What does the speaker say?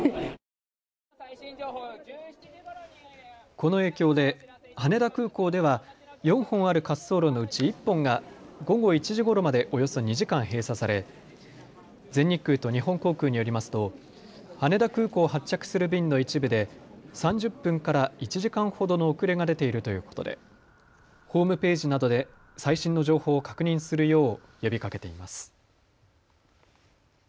この影響で羽田空港では４本ある滑走路のうち１本が午後１時ごろまでおよそ２時間、閉鎖され全日空と日本航空によりますと羽田空港を発着する便の一部で３０分から１時間ほどの遅れが出ているということでホームページなどで最新の情報を確認するよう呼びかけています。